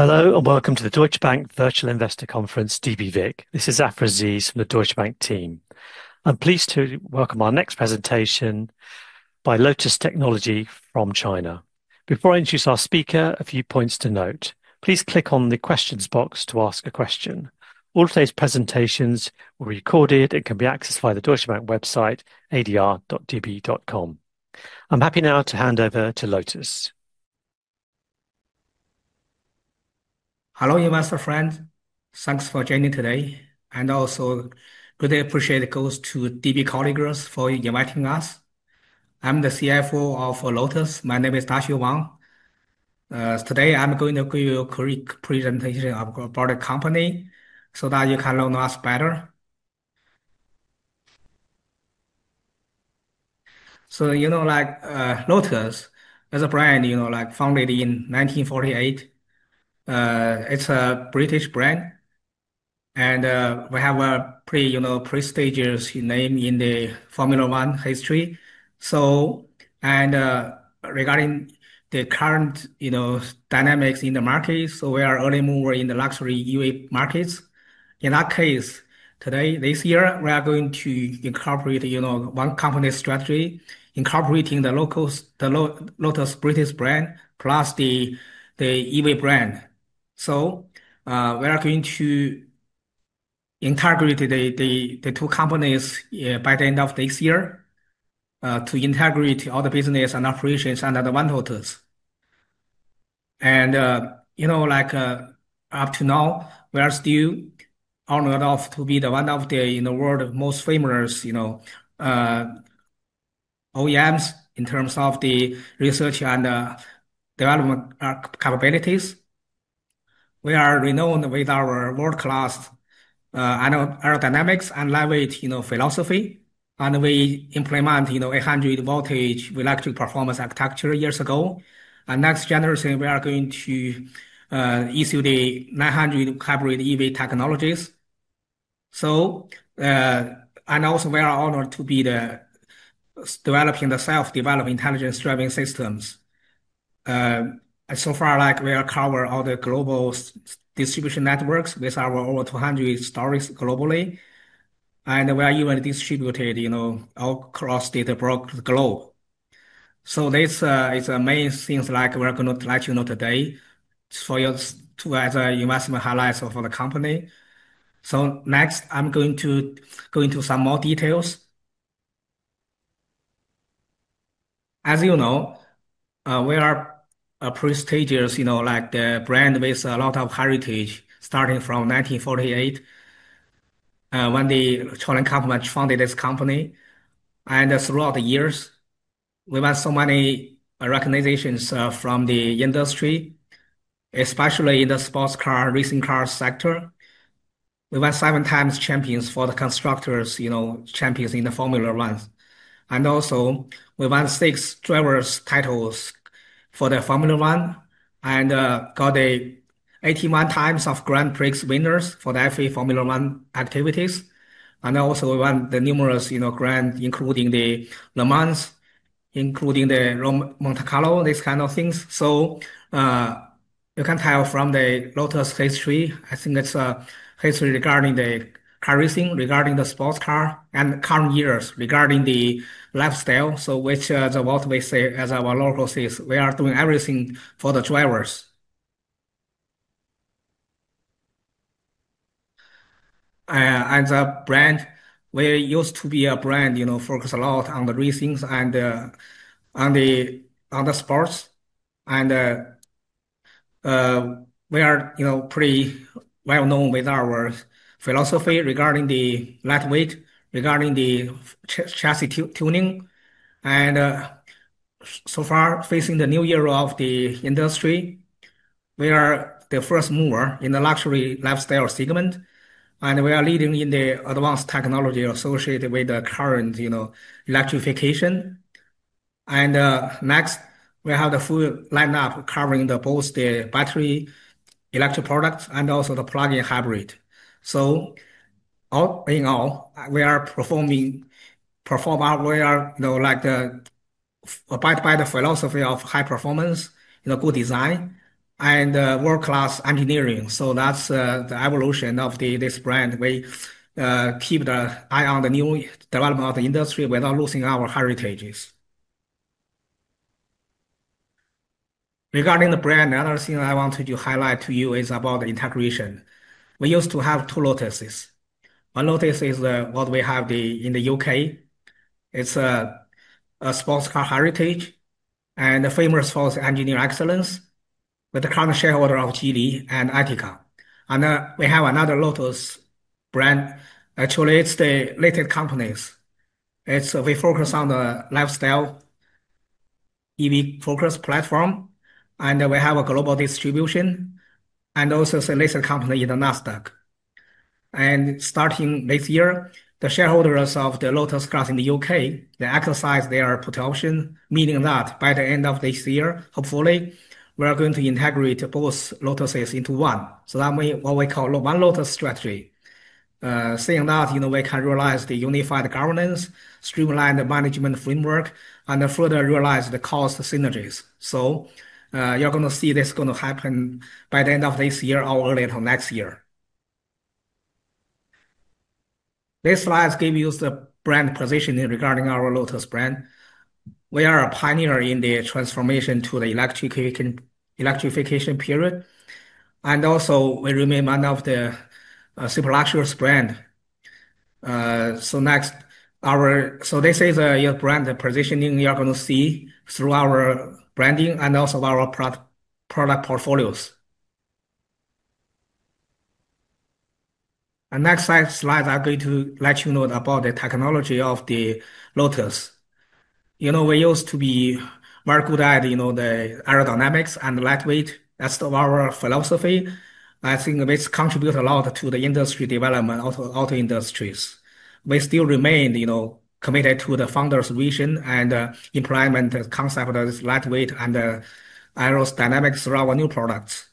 Hello and welcome to the Deutsche Bank Virtual Investor Conference, DVVIC. This is Zafra Z. from the Deutsche Bank team. I'm pleased to welcome our next presentation by Lotus Technology from China. Before I introduce our speaker, a few points to note. Please click on the questions box to ask a question. All of today's presentations will be recorded and can be accessed via the Deutsche Bank website, adr.db.com. I'm happy now to hand over to Lotus. Hello, you master friends. Thanks for joining today. And also, I really appreciate it goes to DB colleagues for inviting us. I'm the CFO of Lotus. My name is Daxue Wang. Today, I'm going to give you a quick presentation about the company so that you can learn us better. So, you know, like Lotus, as a brand, you know, like founded in 1948. It's a British brand. And we have a pretty, you know, prestigious name in the Formula One history. So, and regarding the current, you know, dynamics in the market, so we are early mover in the luxury EV markets. In our case, today, this year, we are going to incorporate, you know, one company strategy, incorporating the local, the Lotus British brand, plus the EV brand. So. We are going to. Integrate the two companies by the end of this year. To integrate all the business and operations under the One Lotus. And, you know, like up to now, we are still. On the road to be one of the, you know, world's most famous, you know. OEMs in terms of the research and. Development capabilities. We are renowned with our world-class. Aerodynamics and lightweight, you know, philosophy. And we implement, you know, 800V electric performance architecture years ago. And next generation, we are going to. Issue the 900 hybrid EV technologies. So. And also, we are honored to be the. Developing the self-developed intelligent driving systems. And so far, like we are covered all the global distribution networks with our over 200 stores globally. And we are even distributed, you know, all across the globe. So these are the main things like we are going to let you know today for you to as an investment highlights of the company. So next, I'm going to go into some more details. As you know. We are a prestigious, you know, like the brand with a lot of heritage starting from 1948. When the Colin Chapman founded this company. And throughout the years, we won so many recognitions from the industry. Especially in the sports car, racing car sector. We won seven times champions for the constructors, you know, champions in the Formula One. And also, we won six drivers titles for the Formula One and got 81 times of Grand Prix winners for the Formula One activities. And also, we won the numerous, you know, grand, including the Le Mans, including the Monte Carlo, these kind of things. So. You can tell from the Lotus history, I think it's a history regarding the car racing, regarding the sports car, and current years regarding the lifestyle. So which is what we say as our logo says. We are doing everything for the drivers. As a brand, we used to be a brand, you know, focused a lot on the racings and. On the sports. And. We are, you know, pretty well known with our philosophy regarding the lightweight, regarding the. Chassis tuning. And. So far, facing the new era of the industry. We are the first mover in the luxury lifestyle segment. And we are leading in the advanced technology associated with the current, you know, electrification. And next, we have the full lineup covering both the battery electric products and also the plug-in hybrid. So. All in all, we are performing our way, you know, like by the philosophy of high performance, you know, good design and world-class engineering. So that's the evolution of this brand. We keep the eye on the new development of the industry without losing our heritages. Regarding the brand, another thing I wanted to highlight to you is about the integration. We used to have two Lotuses. One Lotus is what we have in the U.K. It's a sports car heritage and famous for engineering excellence with the current shareholder of Geely and Etika. And we have another Lotus brand. Actually, it's the latest companies. It's we focus on the lifestyle EV focus platform. And we have a global distribution and also it's a listed company in the Nasdaq. And starting this year, the shareholders of the Lotus Cars in the U.K., they exercise their protection, meaning that by the end of this year, hopefully, we are going to integrate both Lotuses into one. So that means what we call One Lotus strategy. Seeing that, you know, we can realize the unified governance, streamline the management framework, and further realize the cost synergies. So. You're going to see this going to happen by the end of this year or early next year. This slide gives you the brand position regarding our Lotus brand. We are a pioneer in the transformation to the electrification period. And also, we remain one of the super luxurious brand. So next, this is a brand positioning you're going to see through our branding and also our product portfolios. And next slide, I'm going to let you know about the technology of the Lotus. You know, we used to be very good at, you know, the aerodynamics and lightweight. That's our philosophy. I think this contributes a lot to the industry development of auto industries. We still remain, you know, committed to the founder's vision and employment concept of lightweight and aerodynamic throughout our new products.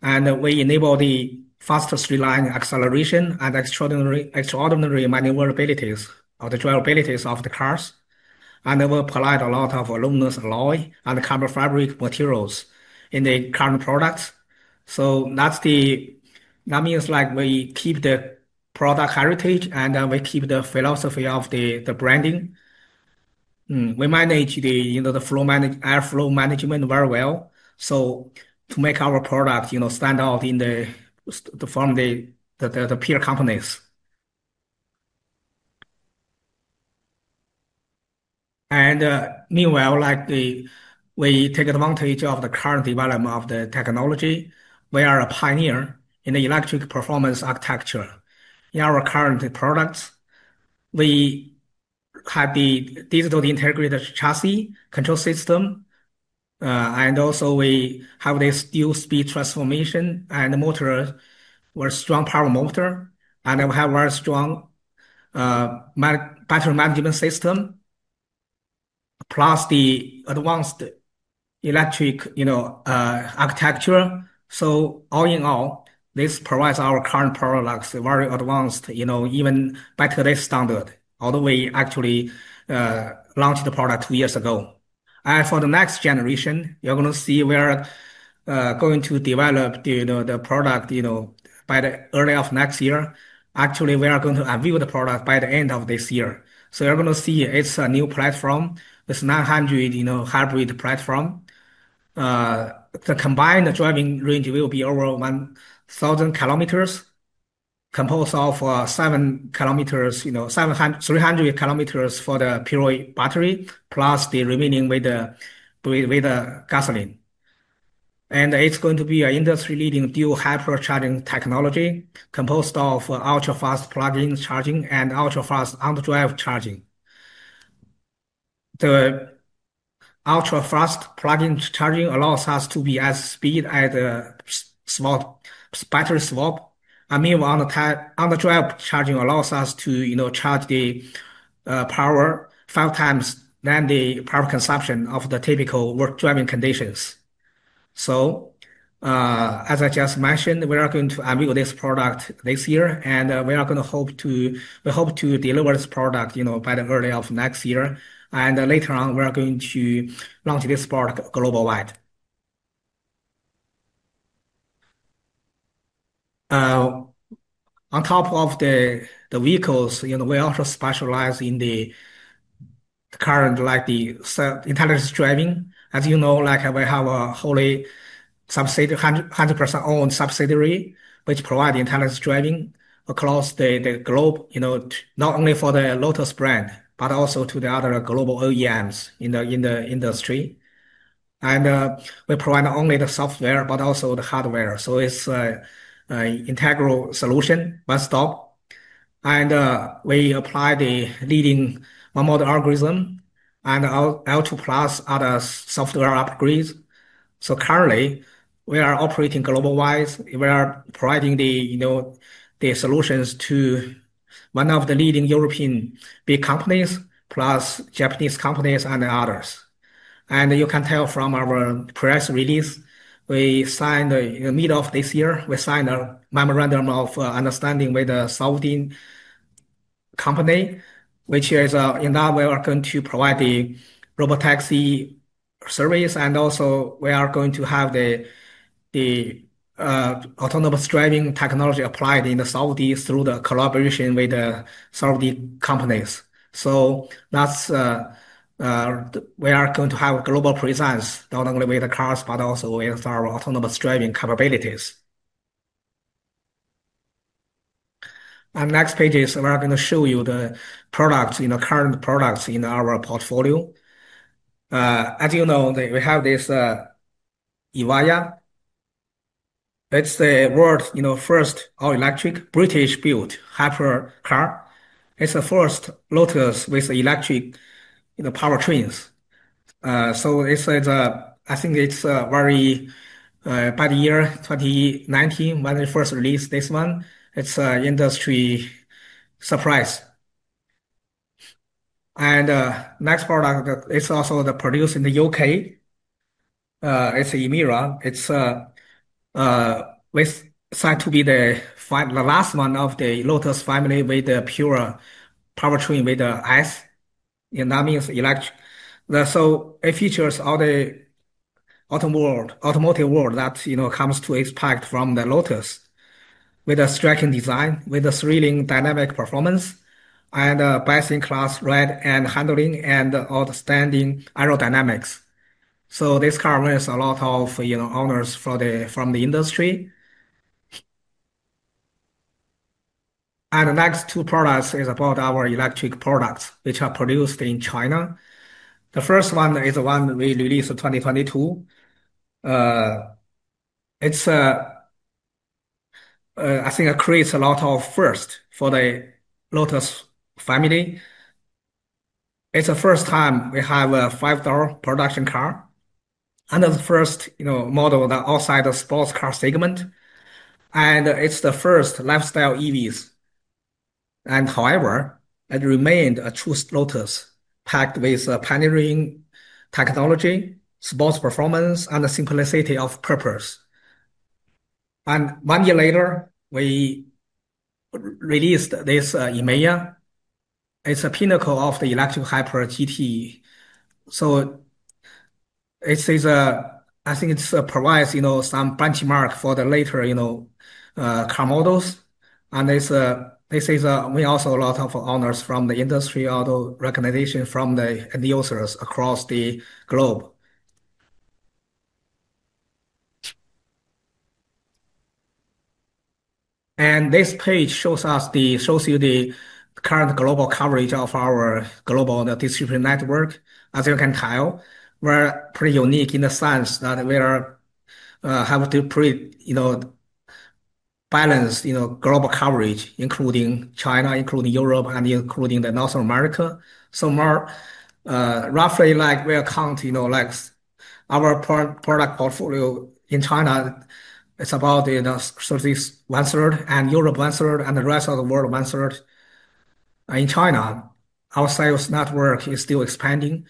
And we enable the fast straight-line acceleration and extraordinary maneuverabilities of the drivabilities of the cars. And we provide a lot of aluminum alloy and carbon fiber materials in the current products. So that's the. That means like we keep the product heritage and we keep the philosophy of the branding. We manage the, you know, the airflow management very well. So to make our product, you know, stand out in the from the peer companies. And meanwhile, like the we take advantage of the current development of the technology. We are a pioneer in the electric performance architecture in our current products. We have the digital integrated chassis control system. And also we have this dual speed transmission and motor with strong power motor. And we have a very strong battery management system plus the advanced electric, you know, architecture. So all in all, this provides our current products very advanced, you know, even better than standard although we actually launched the product two years ago. For the next generation, you're going to see we are going to develop the product, you know, by the early of next year. Actually, we are going to unveil the product by the end of this year. So you're going to see it's a new platform. It's 900V hyper hybrid platform. The combined driving range will be over 1,000 kilometers composed of 700 kilometers, you know, 300 kilometers for the pure battery, plus the remaining with the gasoline. And it's going to be an industry-leading dual hypercharging technology composed of ultra-fast plug-in charging and ultra-fast on-the-drive charging. The ultra-fast plug-in charging allows us to be as fast as a small battery swap. And meanwhile, on-the-drive charging allows us to, you know, charge the power five times than the power consumption of the typical work driving conditions. So as I just mentioned, we are going to unveil this product this year. And we hope to deliver this product, you know, by the early of next year. And later on, we are going to launch this product worldwide. On top of the vehicles, you know, we also specialize in the current, like the intelligent driving. As you know, like we have a wholly owned subsidiary 100% owned, which provides intelligent driving across the globe, you know, not only for the Lotus brand, but also to the other global OEMs in the industry. And we provide not only the software, but also the hardware. So it's an integral solution, one-stop. And we apply the leading OneModel algorithm and L2+ other software upgrades. So currently, we are operating worldwide. We are providing the, you know, the solutions to one of the leading European big companies, plus Japanese companies and others. And you can tell from our press release, we signed in the middle of this year a memorandum of understanding with the Saudi company, which is that we are going to provide the robotaxi service. And also, we are going to have the autonomous driving technology applied in Saudi through the collaboration with the Saudi companies. So that's we are going to have a global presence, not only with the cars, but also with our autonomous driving capabilities. And next pages, we are going to show you the products, you know, current products in our portfolio. As you know, we have this Evija. It's the world, you know, first all-electric British-built hypercar. It's the first Lotus with electric, you know, powertrains. So it's a, I think it's a very by the year 2019, when we first released this one, it's an industry. Surprise. And next product, it's also produced in the U.K. It's Emira. It's said to be the last one of the Lotus family with the pure powertrain with the ICE. And that means internal combustion engine. So it features all the automotive world that, you know, comes to expect from the Lotus with a striking design, with a thrilling dynamic performance and a best-in-class ride and handling and outstanding aerodynamics. So this car wins a lot of, you know, honors from the industry. And the next two products are about our electric products, which are produced in China. The first one is the one we released in 2022. It, I think, creates a lot of firsts for the Lotus family. It's the first time we have a five-door production car. And the first, you know, model outside the sports car segment. And it's the first lifestyle EVs. And however, it remained a true Lotus packed with pioneering technology, sports performance, and the simplicity of purpose. And one year later, we released this Emeya. It's a pinnacle of the electric hyper GT. So it is a, I think it provides, you know, some benchmark for the later, you know, car models. And this also has a lot of honors from the industry, and recognition from the end users across the globe. And this page shows you the current global coverage of our global distribution network. As you can tell, we're pretty unique in the sense that we have a pretty balanced global coverage, including China, including Europe, and including North America. So roughly like we account, you know, like our product portfolio in China, it's about, you know, one-third, and Europe one-third and the rest of the world one-third. In China, our sales network is still expanding.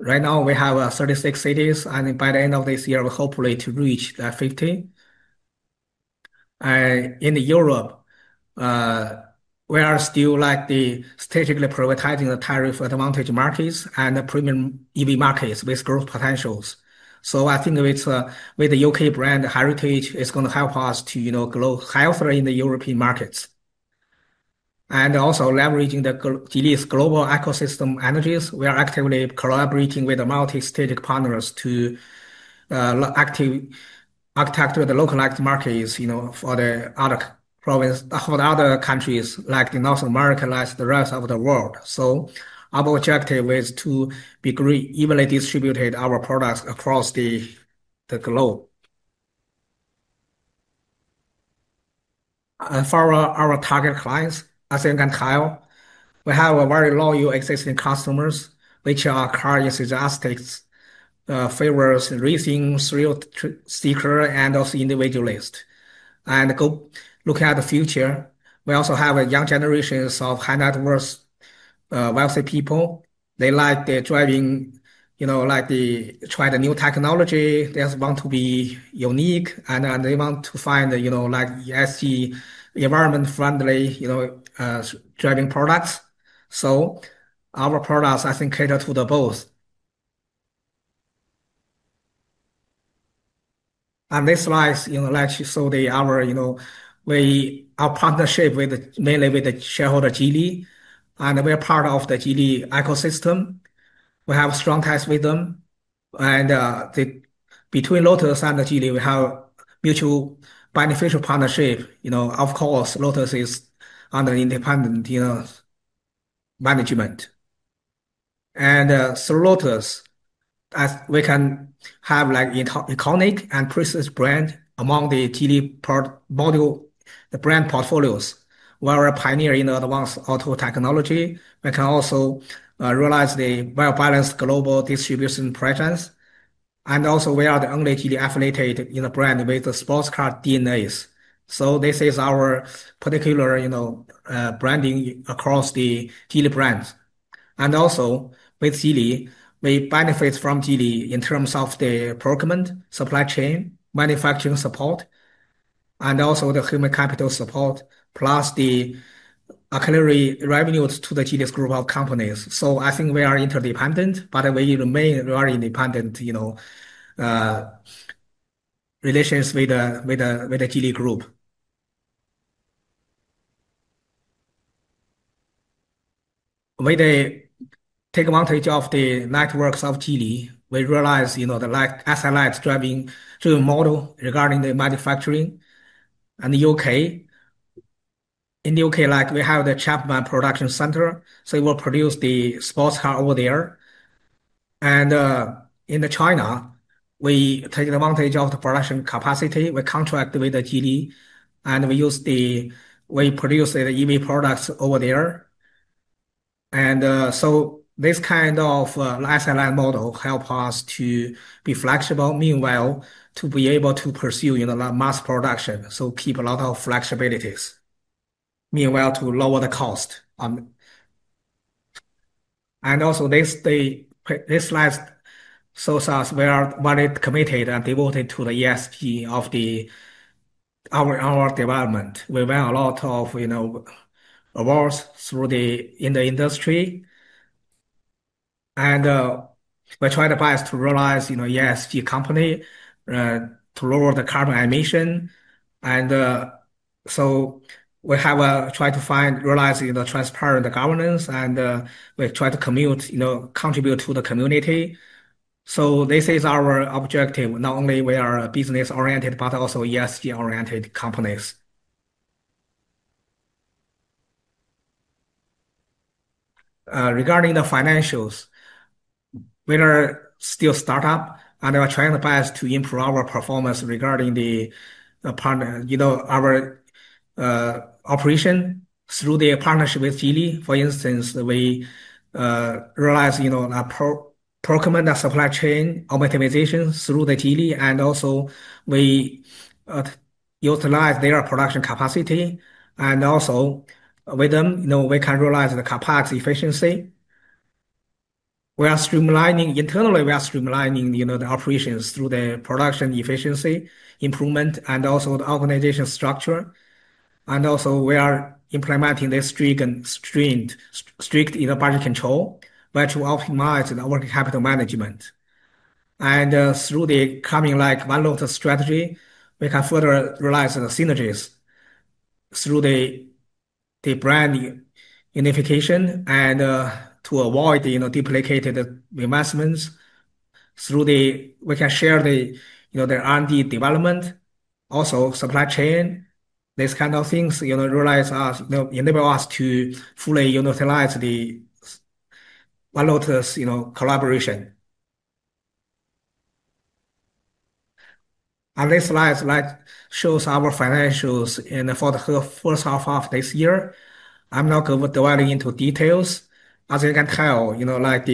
Right now, we have 36 cities. And by the end of this year, we hopefully to reach 50. And in Europe, we are still, like, strategically prioritizing the tariff advantage markets and the premium EV markets with growth potentials. So I think with the U.K. brand heritage, it's going to help us to, you know, grow healthier in the European markets. And also leveraging the Geely's global ecosystem synergies. We are actively collaborating with the multinational partners to actively architect the localized markets, you know, for the other provinces, for the other countries like North America, like the rest of the world. So our objective is to greatly, evenly distribute our products across the globe. For our target clients, as you can tell, we have a very loyal existing customers, which are car enthusiasts who favor racing, thrill seekers, and also individualists. And looking to the future, we also have a young generation of high net worth wealthy people. They like driving, you know, like trying the new technology. They want to be unique. And they want to find, you know, like ESG environment-friendly, you know, driving products. So our products, I think, cater to the both. And this slide, you know, like to show our partnership with mainly with the shareholder Geely. And we are part of the Geely ecosystem. We have strong ties with them. And between Lotus and Geely, we have mutual beneficial partnership. You know, of course, Lotus is under independent management. And through Lotus, as we can have like iconic and prestigious brand among the Geely model, the brand portfolios. We are a pioneer in the advanced auto technology. We can also realize the well-balanced global distribution presence. And also, we are the only Geely-affiliated, you know, brand with the sports car DNAs. So this is our particular, you know, branding across the Geely brands. And also, with Geely, we benefit from Geely in terms of the procurement, supply chain, manufacturing support. And also the human capital support, plus the auxiliary revenues to the Geely's group of companies. So I think we are interdependent, but we remain very independent, you know, relations with the Geely group. With we take advantage of the networks of Geely, we realize, you know, the like SLS driving through model regarding the manufacturing. And the U.K. In the U.K., like we have the Chapman Production Center. So we will produce the sports car over there. And in China, we take advantage of the production capacity. We contract with the Geely. And we use the, we produce the EV products over there. And so this kind of SLS model helps us to be flexible, meanwhile, to be able to pursue, you know, mass production. So keep a lot of flexibilities. Meanwhile, to lower the cost. And also this, they, this slide shows us we are widely committed and devoted to the ESG of the our development. We win a lot of, you know, awards through the, in the industry. And we try to be as to realize, you know, ESG company. To lower the carbon emission. And so we have a, try to find, realize, you know, transparent governance. And we try to commit, you know, contribute to the community. So this is our objective. Not only we are business-oriented, but also ESG-oriented companies. Regarding the financials. We are still a startup. And we are trying to be as to improve our performance regarding the partner, you know, our operation through the partnership with Geely. For instance, we realize, you know, our procurement, our supply chain, our optimization through the Geely. And also we utilize their production capacity. And also with them, you know, we can realize the complex efficiency. We are streamlining internally. We are streamlining, you know, the operations through the production efficiency improvement and also the organization structure. And also we are implementing this strict in the budget control by to optimize the working capital management. And through the coming like One Lotus strategy, we can further realize the synergies. Through the brand unification and to avoid, you know, duplicated investments. Through the, we can share the, you know, the R&D development, also supply chain, these kind of things, you know, realize, you know, enable us to fully, you know, utilize the One Lotus, you know, collaboration. And this slide like shows our financials in the first half of this year. I'm not going to go diving into details. As you can tell, you know, like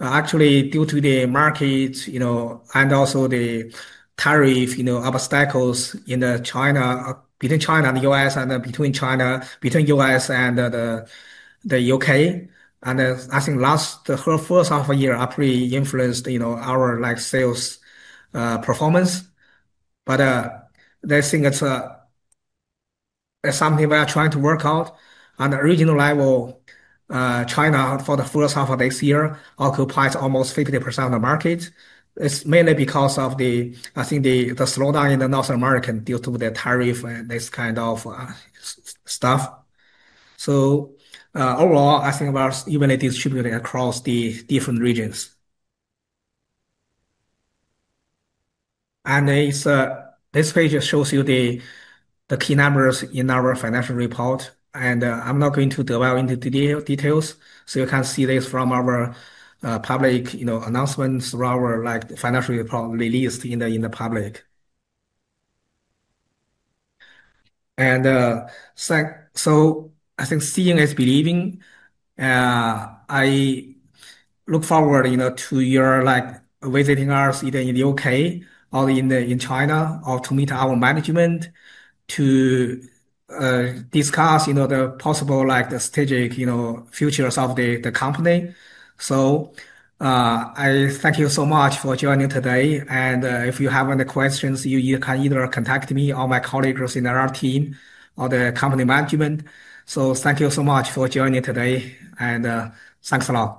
actually due to the market, you know, and also the tariff, you know, obstacles in China, between China and the U.S. and between the U.S. and the U.K. And I think the first half of the year actually influenced, you know, our like sales performance. But I think it's something we are trying to work out. At the regional level, China for the first half of this year occupies almost 50% of the market. It's mainly because of the, I think the slowdown in North America due to the tariff and this kind of stuff. So overall, I think we are evenly distributed across the different regions. And this page shows you the key numbers in our financial report. And I'm not going to delve into details. So you can see this from our public, you know, announcements through our like financial report released in the public. So I think seeing is believing. I look forward, you know, to your like visiting us either in the U.K. or in China or to meet our management to discuss, you know, the possible like the strategic, you know, futures of the company. So I thank you so much for joining today. And if you have any questions, you can either contact me or my colleagues in our team or the company management. So thank you so much for joining today. And thanks a lot.